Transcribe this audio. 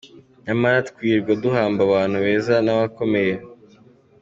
Nyamara twirirwa duhamba abantu beza n’abakomeye.